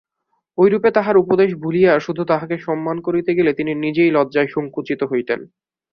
ঐরূপে তাঁহার উপদেশ ভুলিয়া শুধু তাঁহাকে সম্মান করিতে গেলে তিনি নিজেই লজ্জায় সঙ্কুচিত হইতেন।